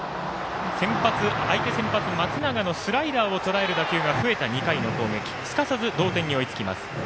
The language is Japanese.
相手先発、松永のスライダーをとらえる打球が増えた２回の攻撃、すかさず同点に追いつきます。